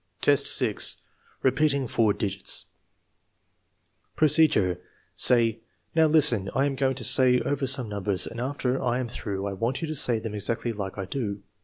IV, 6. Repeating four digits Procedure. Say: "Now, listen. I am going to say over some numbers and after I am through, I want you to say them exactly like I do.